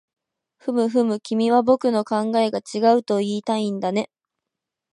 ふむふむ、君は僕の考えが違うといいたいんだね